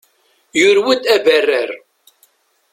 Yurew-d abarrar.